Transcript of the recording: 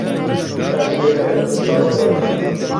Em bêriya dibistanê nakin.